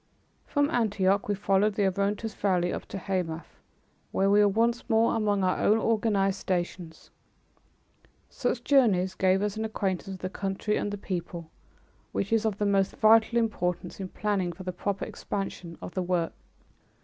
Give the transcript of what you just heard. From Antioch we followed the Orontes Valley up to Hamath, where we were once more among our own organized stations. Such journeys give us an acquaintance with the country and the people, which is of the most vital importance in planning for the proper expansion of the work.